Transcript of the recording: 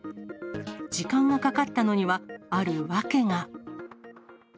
時間がかかったのには、ある訳が。